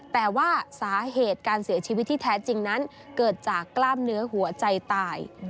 แต่ว่าสาเหตุการเสียชีวิตที่แท้จริงนั้นเกิดจากกล้ามเนื้อหัวใจตาย